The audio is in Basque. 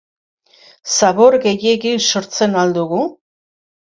Zabor gehiegi sortzen al dugu?